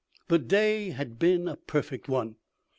The day had been a perfect one.